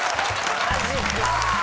マジか。